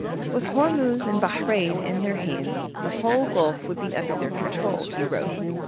'With Hormuz and Bahrein in their hand the whole Gulf would be under their control,' he wrote.